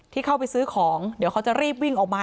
ที่เข้าไปซื้อของเดี๋ยวเขาจะรีบวิ่งออกมา